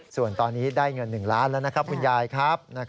ส่วนตอนนี้ได้เงิน๑ล้านแล้วนะครับคุณยายครับ